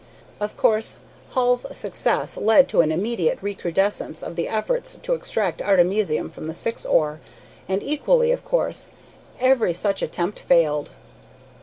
Of course, Hall's success led to an immediate recrudescence of the efforts to extract artemisium from the Syx ore, and, equally of course, every such attempt failed.